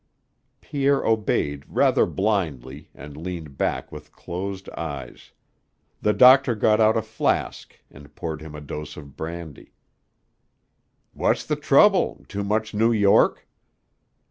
Pierre obeyed rather blindly and leaned back with closed eyes. The doctor got out a flask and poured him a dose of brandy. "What's the trouble? Too much New York?"